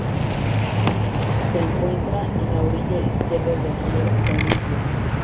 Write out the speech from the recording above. Se encuentra en la orilla izquierda del río Danubio.